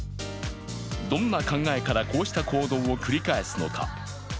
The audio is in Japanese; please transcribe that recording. どんな考えからこうした行動を繰り返すのか。